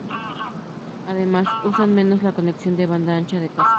Además, usan menos la conexión de banda ancha de casa.